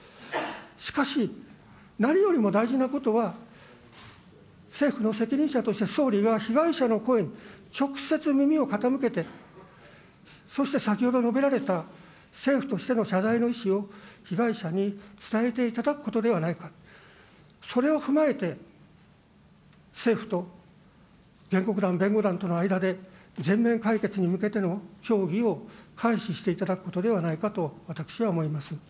しかし、何よりも大事なことは、政府の責任者として総理が被害者の声に直接耳を傾けて、そして、先ほど述べられた、政府としての謝罪の意思を被害者に伝えていただくことではないか、それを踏まえて、政府と原告団、弁護団との間で、全面解決に向けての協議を開始していただくことではないかと、私は思います。